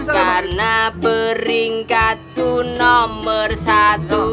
karena peringkatku nomer satu